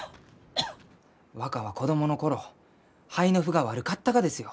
若は子どもの頃肺の腑が悪かったがですよ。